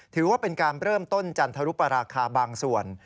ถือว่าเป็นการเริ่มต้นจันทรุปราคาบางส่วน